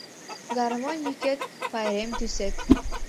Гармонь йӱкет, пайрем тӱсет